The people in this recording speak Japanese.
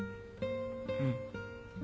うん。